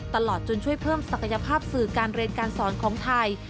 ตลอดจนช่วยเพิ่มศักยภาพสื่อการเรียนการสอนของไทย